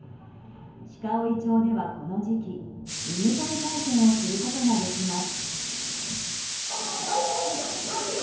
鹿追町ではこの時期犬ぞり体験をすることができます。